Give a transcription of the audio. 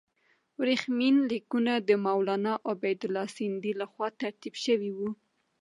ورېښمین لیکونه د مولنا عبیدالله سندي له خوا ترتیب شوي وو.